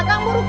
akang buru kang